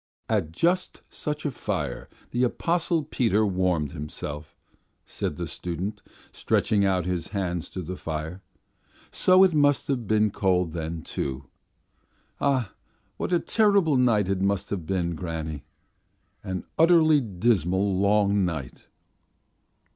"At just such a fire the Apostle Peter warmed himself," said the student, stretching out his hands to the fire, "so it must have been cold then, too. Ah, what a terrible night it must have been, granny! An utterly dismal long night!"